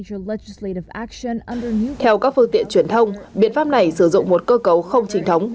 theo các phương tiện truyền thông biện pháp này sử dụng một cơ cấu không trình thống